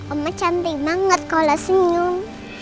om cantik banget kalau senyum